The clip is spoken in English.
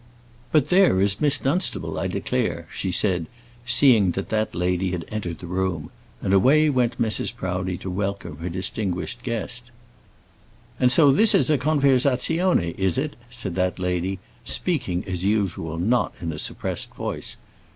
"But there is Miss Dunstable, I declare," she said, seeing that that lady had entered the room; and away went Mrs. Proudie to welcome her distinguished guest. "And so this is a conversazione, is it?" said that lady, speaking, as usual, not in a suppressed voice.